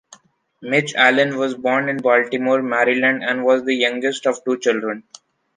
Mitch Allan was born in Baltimore, Maryland, and was the youngest of two children.